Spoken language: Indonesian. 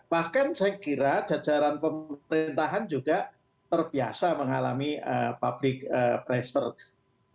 bahkan saya kira jajaran pemerintahan juga terbiasa mengalami public pressure